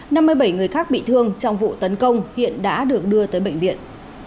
năm mươi bảy người khác bị thương trong vụ tấn công hiện đã được đưa tới bệnh viện